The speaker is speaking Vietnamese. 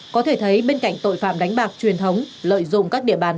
có thể thấy bên cạnh tội phạm đánh bạc truyền thống lợi dụng các địa bàn